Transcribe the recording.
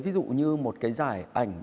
ví dụ như một cái giải ảnh